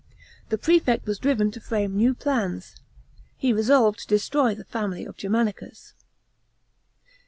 The prefect was driven to frame new plans. He resolved to destroy the family of Germanicus.